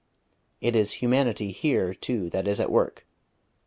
It is 'Humanity' here, too, that is at work.